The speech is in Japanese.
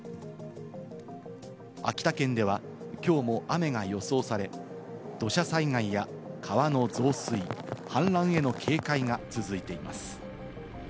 秋田県ではきょうも雨が予想され、土砂災害や川の増水、氾濫に警戒が続いています。